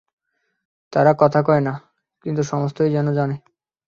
তারা কথা কয় না, কিন্তু সমস্তই যেন জানে।